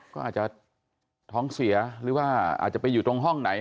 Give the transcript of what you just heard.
ก็อาจจะท้องเสียหรือว่าอาจจะไปอยู่ตรงห้องไหน